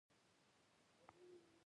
مېوه کله پخیږي؟